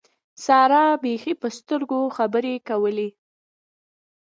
سارا بېخي په سترګو خبرې کولې.